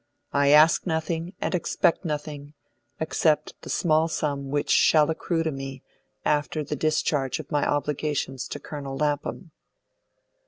I ask nothing, and expect nothing, except the small sum which shall accrue to me after the discharge of my obligations to Colonel Lapham."